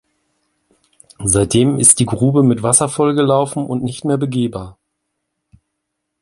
Seitdem ist die Grube mit Wasser vollgelaufen und nicht mehr begehbar.